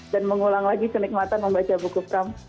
dan mengulang lagi kenikmatan membaca buku perem